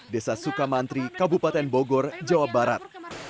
desa sukamantri kabupaten bogor jawa barat